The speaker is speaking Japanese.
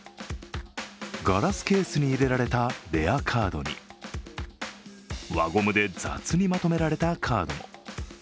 ガラスケースに入れられたレアカードに輪ゴムで雑にまとめられたカードも。